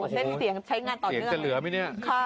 เสียงจะเหลือไหมเนี่ย